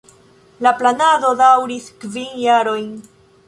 La planado daŭris kvin jarojn.